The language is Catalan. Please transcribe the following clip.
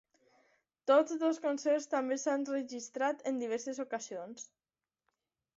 Tots dos concerts també s'han registrat en diverses ocasions.